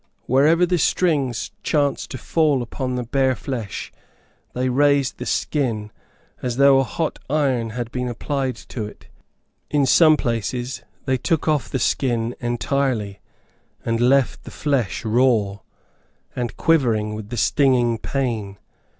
Wherever the strings chanced to fall upon the bare flesh, they raised the skin, as though a hot iron had been applied to it. In some places they took off the skin entirely, and left the flesh raw, and quivering with the stinging pain.